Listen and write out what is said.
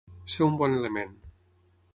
Ser un bon element.